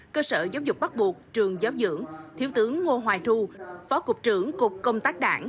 cơ sở giáo dục bắt buộc trường giáo dưỡng thiếu tướng ngô hoài thu phó cục trưởng cục công tác đảng